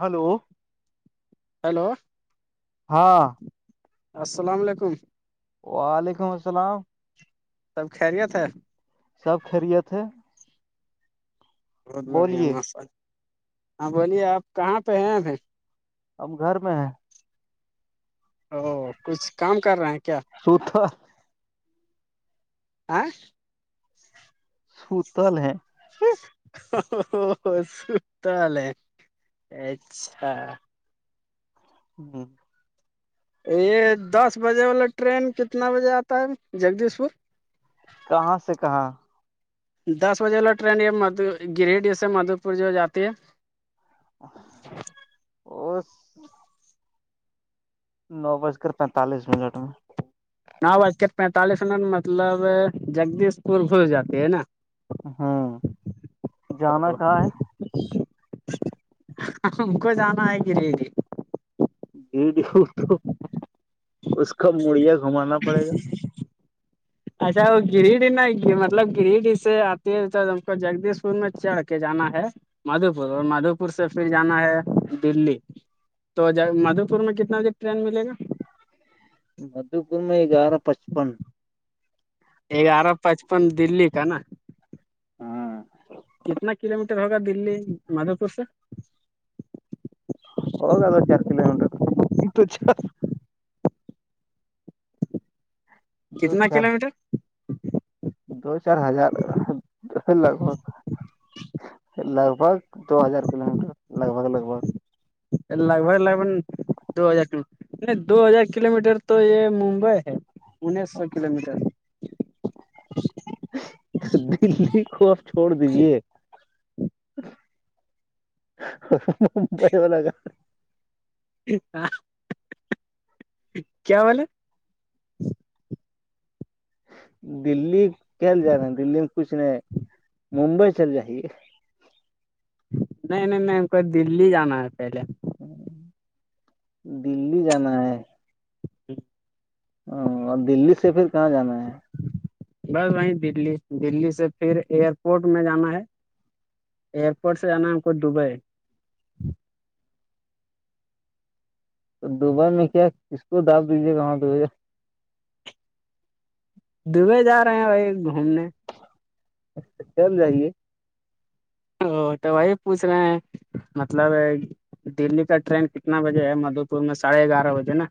hello hello ہاں السلام علیکم وعلیکم السلام سب خیریت ہے سب خریت ہے بہت بڑھیا بولیے مافل ہاں بولیے آپ کہاں پہ ہیں ایں ہم گھر میں ہیں او کچھ کام کر رہے ہیں کیا سوٹ [unintelligible] سوتل ہے س توال ہے اچھا ہی یہ دس بجے والا ٹرین کتنا بجے آتا ہے جگدیش پور کہاں سے کہاں دس بجے والا ٹرین یہ مد گریس سے مدھو پور جو جاتی ہے اور نو بج کر پینتالیس منٹ میں نو بج کے پینتالیس منٹ مطلب جگدیش پول بھول جاتے ہے نا ہاں ہم کو جانا ہے گریےری یڈیوو اس کا مڑیا گھمانا پڑے گا اچھا وہ گریڈ نا مطلب گری ڈی سے آتی ہے تو ہم کو جگدیش پور میں چڑھ کے جانا ہے مادھو پور اور مادھو پور سے پھر جانا ہے دلی تو ج مادھو پور میں کتنا بجے ٹرین ملے گا مدوپور میں گگیارہ پچپن گیارہ پچپن دللی کا نا ہاں کتنا کلو میٹر ہوگا دلی مادھو پور سے ہوگاد چار کلو میٹر چ دو کتنا چار کلو میٹر دو چار ہزار لگ بھگ لگ بھگ دو ہزار کلو میٹر لگ بھگ لگ بھگ لگ بگ لگ ب دو ہزار نہیں دو ہزار کلو میٹر تو یہ ممبئی ہے انیس سو کلو میٹر [unintelligible] تو دلی کو آپ چھوڑ دیجے ممبائی وال ل کا کیا والا [unintelligible] دللی کیال جا رہا ہیں دللی میں کچھ نہیں ممبئی چل جائیے نہیں نہیں نہیں ہم کو دللی جانا ہے پہلے دللی جانا ہے [unintelligible] جی ہ اور دللی سے پھر کہاں جانا ہے بس وہیں دلی دلی سے پھر ایئرپورٹ میں جانا ہے ایئرپورٹ سے جانا ہم کو دبئی تو دبئی میں کیا کس کو دپ دیجیے گاں تو بھیا دبے جا رہے ہیں بھائی گھومنے اچھا چب جائیے [unintelligible] او تو وہی پوچھ رہے ہیں مطلب دلی کا ٹرین کتنا بجے ہے مدھو پور میں ساڑھے گیارہ بجے نا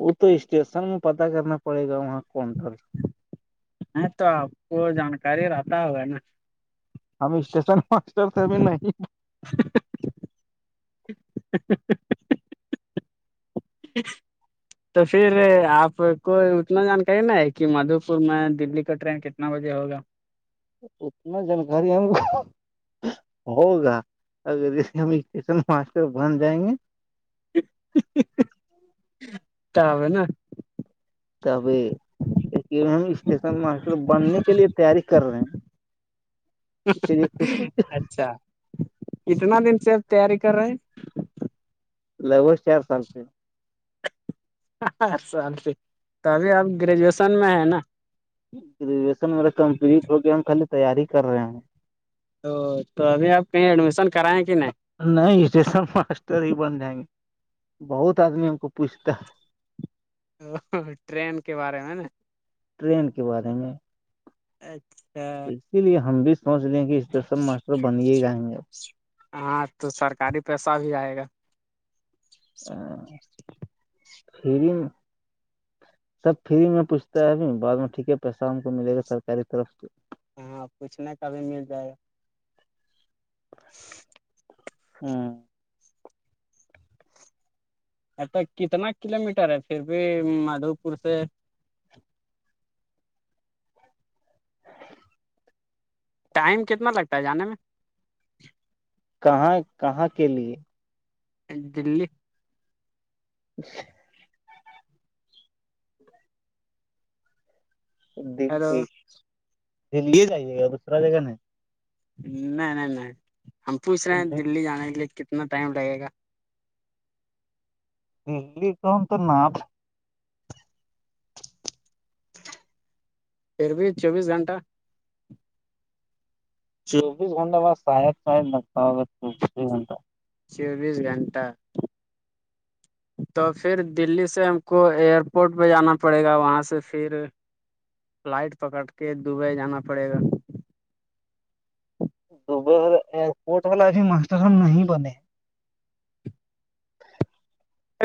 وہ تو اسٹیشن میں پتا کرنا پڑے گا وہاں کونٹر ہ تو آپ کو جانکاری رہتا ہوگا نا ہم اسٹیشن ماسٹر تھ بھی نہیں [unintelligible] جی تو پھر آپ کو اتنا جانکاری نہ ہے کہ مادھو پور میں دللی کا ٹرین کتنا بجے ہوگا اتنا جانکاری ہے ہوگا اگر جسے ہمٹیشن ماسٹر بن جائیں گے تاب ہے نا [unintelligible] تب [unintelligible] ہم اسٹیشن ماسٹر بننے کے لیے تیاری کر رہے ہیں [unintelligible] اسی لیے کچھ بھی اچھا کتنا دن سے اب تیاری کر رہے ہیں [unintelligible] لگ بگ چار سال سے [unintelligible] ہر سال سے تو ابھی آپ گریجویشن میں ہے نا [unintelligible] گریجویشن میرا کمپلیٹ ہو کےیا ہم کے تیاری کر رہے ہیں [unintelligible] تو تو ابھی آپ کہیں ایڈمیشن کرائیں کہ نہیں [unintelligible] نہیں اسٹ سب ماسٹر ہی بن جائیں گے بہت آدمی ہم کو پوچھتا ہے ا ٹرین کے بارے میں نا [unintelligible] ٹرین کے بعد ہیںیںے اچھا [unintelligible] اس لیے ہم بھی سوچ لے ہیں کہ اسٹیشن ماسٹر بنے گائیں گے ہاں تو سرکاری پیسہ بھی آئے گا ا فریم سب فری میں پوچھتا ہے ابھی بع میں ٹھیک ہے پیسہ ہم کو ملے گا سرکاری طرف سے ہاں کچھ نہیں کبھی مل جائے گا ہوں اھا کتنا کلو میٹر ہے پھر بھی مادھو پور سے ٹائم کتنا لگتا ہے جانے میں کہاں کہاں کے لیے [unintelligible] [inaudible] دی ہیلو دی جائیے گا دوسرا جگہ نہیں نہیں نہیں نہیں ہم پوچھ رہے ہیں نہیں دلی جانے کے لیے کتنا ٹائم لگے گا دلی کوم تو ناپ [inaudible] پھر بھی چوبیس گھنٹہ چویس گھٹا بس ساید س نتا ا چیس گھٹہ چوبیس گھنٹہ تو پھر دلی سے ہم کو ایئر پورٹ پہ جانا پڑے گا وہاں سے پھر فلائٹ پکڑ کے دبئی جانا پڑے گا تو ب ایرپورٹ والا ا بھی ماسٹر ف نہیں بنے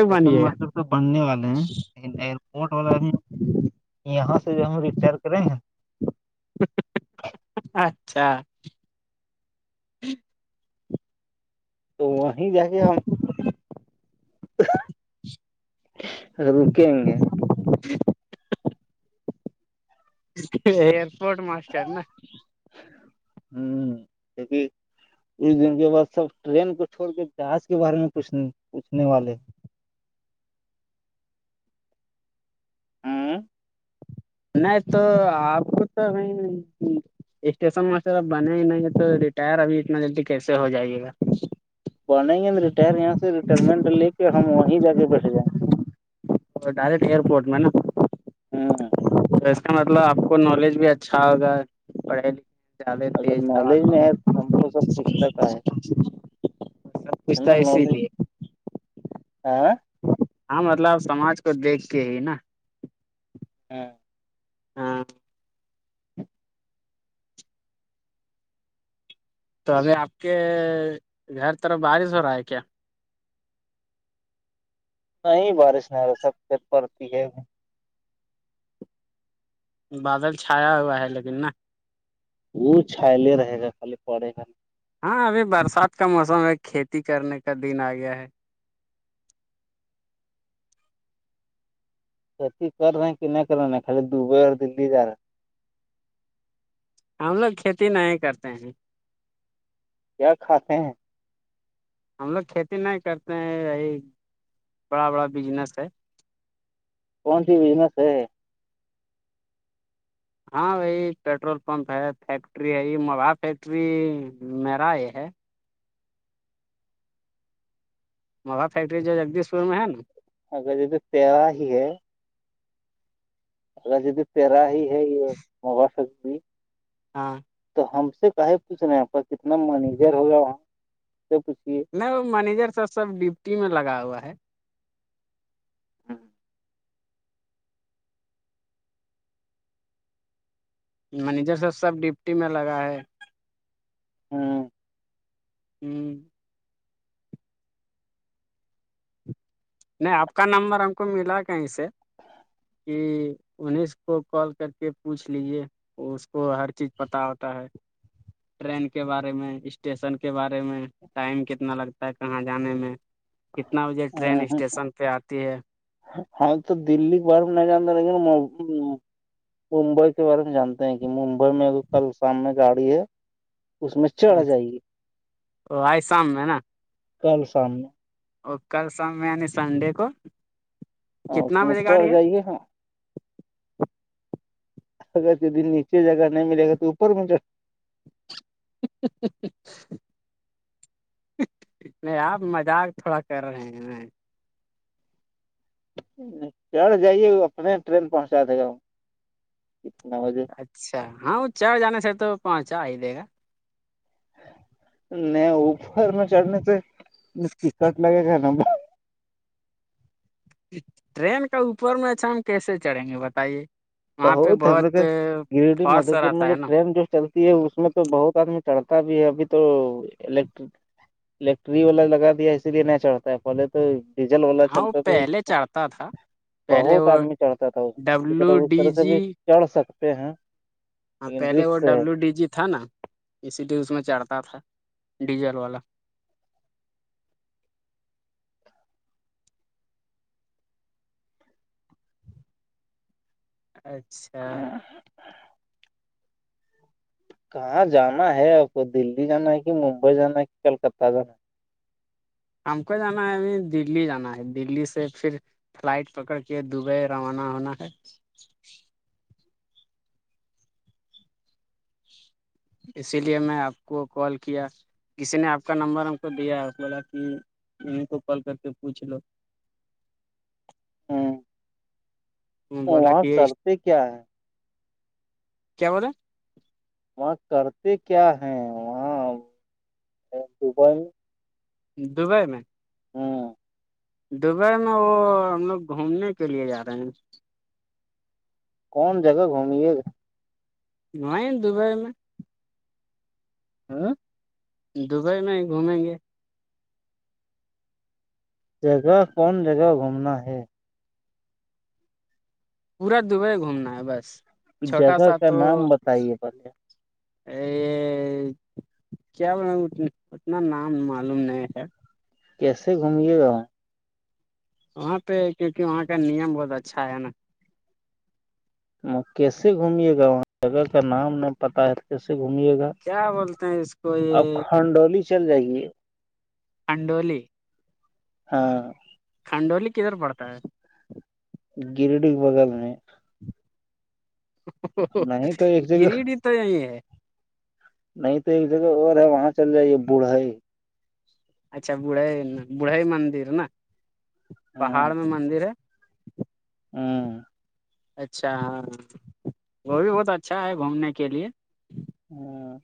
سٹییشن بنیے ماسٹر تو بڑھنے والے ہیں لن ایئرپورٹ والا یہاں سے جب ہم ریٹائر کرے ہیں اچھا تو وہیں جا گے ہم اب وہکیں گے ایئرپورٹ ماسٹر نا ہوں بھی کچھ دن کے بعد سب ٹرین کو چھوڑ کے جہاز کے بارے میںچ پوچھنے والے ہوں نہیں تو آپ کو تو نہیں اسٹیشن ماسٹر اب بنے ہی نہیں ہے تو ریٹائر ابھی اتنا جلدی کیسے ہو جائےے گا بنےیں گے ن ریٹائر یہاں سے ریٹائرمنٹ لے کے ہم وہیں جا کے بیٹھ جائیں ڈائریکٹ ایئرپورٹ میں ہے نا ہاں تو اس کا مطلب آپ کو نالج بھی اچھا ہوگا پڑھائی ل جد اگر نالج نہیں ہے تو ہم کو سب تز پوچھتا کا ہے سب کچھ تھا اسی لیے آاں ہاں مطلب آپ سماج کو دیکھ کے ہی نا ہاں ہاں تو ابھی آپ کے گھر طرف بارش ہو رہا ہے کیا نہیں بارش نہیں رہا سب چت پڑتی ہے بادل چھایا ہوا ہے لیکن نا وہ چھالے رہے گا خالی پڑے گا نہیںا ہاں ابھی برسات کا موسم ہے کھیتی کرنے کا دن آ گیا ہے کتی کر رہے ہیں کہ نہیں کر رہے ہیں خالی دبئی اور دللی جا رہا ہیں ہم لوگ کھیتی نہیں کرتے ہیں کیا کھاتے ہیں ہم لوگ کھیتی نہیں کرتے ہیں یہی بڑا بڑا بجنس ہے کون سی بزنس ہے ہاں بھائی پیٹرول پمپ ہے فیکٹری ہے یہ موب فیکٹری میرا یہ ہے موا فیکٹری جو جگدیش پور میں ہے نا اگر یہ تو تیرہ ہی ہے اگر جد تیرا ہی ہے یہ مبا بھی ہاں تو ہم سے کہے پوچھ رہے ہیں کتنا منییجر ہوگا وہاں سے پوچھیے نہیں وہ مینیجر سرب سب ڈپٹی میں لگا ہوا ہے ہاں ہ مینیجر سرب سب ڈپٹی میں لگا ہے ہوں ہوں نہیں آپ کا نمبر ہم کو ملا کہیں سے کہ انہس کو کال کر کے پوچھ لیجے اس کو ہر چیز پت ہوتا ہے ٹرین کے بارے میں اسٹیشن کے بارے میں ٹائم کتنا لگتا ہے کہاں جانے میں کتنا بجے ٹرین اسٹیشن پہ آتی ہے ہاں تو دللیی باہر نہیں جانتا لے ممبئی کے بارے میں جانتے ہیں کہ ممبئی میں ا کل شام میں گاڑی ہے اس میں چڑھ جائےے آج شام میں نا کل سامنے اور کل شام میں یعنی سنڈے کو اور اس کتنا میں بجے گاڑی چڑھ ہے جائیے ہاں اگر دن نیچے جگہ نہیں ملے گا تو اوپر مل ج ہ ہ نہیں آپ مذاق تھوڑا کر رہے ہیں میں چڑ جائیے اپنے ٹرین پہنچا دے گا وہ کتنا بجے اچھا ہاں وہ چار جانے سے تو پہنچا ہی دے گا نہیں اوپر میں چڑھنے سے تٹکٹ لگے گا نا ب ٹرین کا اوپر میں اچھا ہم کیسے چڑھیں گے بتائیے وہاں ہو پہ تھر بہت کہ گرڈ فارس مدوپور رہتا مجھے ہے نا ٹرین جوٹل اس میں تو بہت آدمی چڑھتا بھی ہے ابھی تو الیکٹرک الیکٹریری والا لگا دیا اسی لیے نہ چڑھتا ہے پہلے تو ڈیزل والا ہاں وہ چلتا تو اس پہلے چڑھتا تھا پہلے بہت وہ آدمی چڑھتا تھا اس اسی طرح ڈبلو اس ڈی طرح سے جی بھی چڑھ سکتے ہیں ہاں لیکن پہلے وہ رکس ڈبلو ڈی جی تھا نا اسی لیے اس میں چڑھتا تھا ڈیزل والا اچھا ہے کہاں جانا ہے آپ کو دی جانا ہے کہ ممبئی جانا ہے کہ کلکتہ جانا ہے ہم کو جانا ہے ابھی دلی جانا ہے دی سے پھر فلائٹ پکڑ کے دبئی روانہ ہونا ہے اسی لیے میں آپ کو کال کیا کسی نے آپ کا نمبر ہم کو دیا اس بولا کہ انیں کو کال کر کے پوچھ لو ہاں بولا کہ کرتے کیا ہے کیا بلا وہاں کرتے کیا ہیں وہاں دبئی میں دبئی میں ہاں دبئی میں وہ ہم لوگ گھومنے کے لیے جا رہے ہیں کون جگہ گھومے گ نہیں دبئی میں ہاں دبئی میں ہی گھومیں گے جگہ کون جگہ گھومنا ہے پورا دبئی گھومنا ہے بس چھوٹا جگہ سا کا تو نام بتائیے پہلے [inaudible] کیا اتنا نام معلوم نہیں ہے کیسے گھومے گا ہ وہاں پہ کیونکہ وہاں کا نیم بہت اچھا ہے نا وہ کیسے گھمیے گا وہاں جگہ کا نام نہ پتا ہے کیسے گھمیے گا کیا بولتے ہیں اس کو یہ آپ کھنڈولی چل جائے گی انڈولی ہاں کھنڈولی کدھر پڑتا ہے گرڈی کے بگل میں نہیں تو ایک جگہ گریڈی تو نہیں ہے نہیں تو ایک جگہ اور ہے وہاں چل جائیے بوڑھا ہے اچھا بڑھے بڑھے مندر نا پہاڑ میں مندر ہے ہوں اچھا ہاں وہ بھی بہت اچھا ہے گھومنے کے لیے ہاں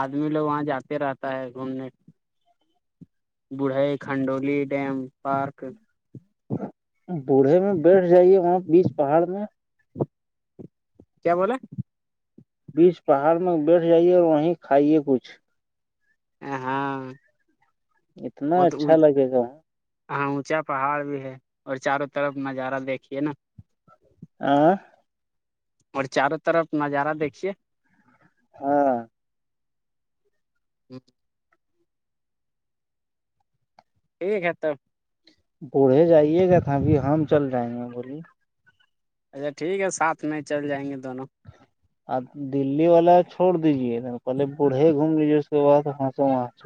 آدمی لوگ وہاں جاتے رہتا ہے گھومنے بڑھائی کھنڈولی ڈیم پارک بوڑھے میں بیٹھ جائیے وہاں بیچ پہاڑ میں کیا بولاے بیچ پہاڑ میں بیٹھ جائیے اور وہیں کھائیے کچھ ا ہاں اتنا بہت اچھا لگے گا ہاں اونچا پہاڑ بھی ہے اور چاروں طرف نظارہ دیکھیے نا آاں اور چاروں طرف نظارہ دیکھیے ہاں ٹھیک ہے تو بوڑھے جائیے گا تھا ابھی ہم چل جائیں گے بولیے اچھا ٹھیک ہے ساتھ میں چل جائیں گے دونوں آپ دللی والا چھوڑ دیجے پہلے بوڑھے گھوم لیجے اس کے بعس وہاں چ